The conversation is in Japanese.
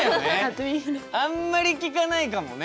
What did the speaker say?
あんまり聞かないかもね。